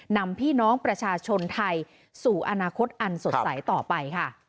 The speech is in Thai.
นำพี่น้องประชาชนไทยสู่อนาคตอันสดใสต่อไปค่ะ